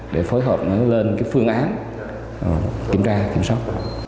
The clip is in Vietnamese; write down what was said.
để phối hợp lên phương án kiểm tra kiểm soát